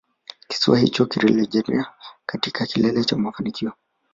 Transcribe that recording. Kisiwa hicho kilirejea katika kilele cha mafanikio